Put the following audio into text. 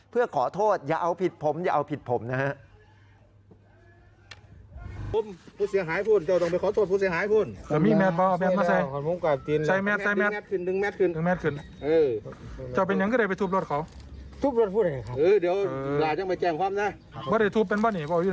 เพื่อขอโทษอย่าเอาผิดผมอย่าเอาผิดผมนะฮะ